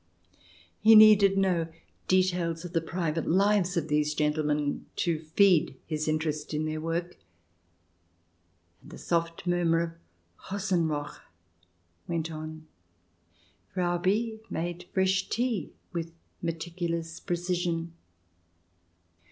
He needed no details of the private lives of these gentlemen to feed his interest in their work. And the soft murmur of " Hosen rock " went on. ... Frau B made fresh tea with meticulous pre cision